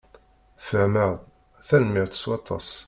Fehmeɣ-d. Tanemmirt s waṭas.